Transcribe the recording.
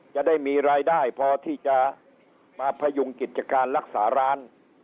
จะได้มีรายได้พอที่จะมาพยุงกิจการรักษาร้าน